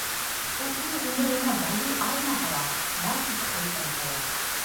Ул үҙ ғүмеренә байый алмаһа ла, мал тип хәлдән тая.